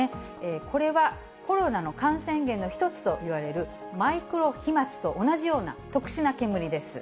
これはコロナの感染源の一つといわれるマイクロ飛まつと同じような特殊な煙です。